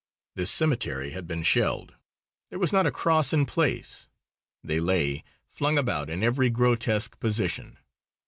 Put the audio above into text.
This cemetery had been shelled. There was not a cross in place; they lay flung about in every grotesque position.